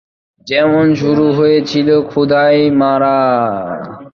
যেমন... শুরু হয়েছিল, ক্ষুধায় মারা